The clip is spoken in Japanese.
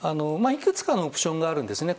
いくつかのオプションがあるんですね。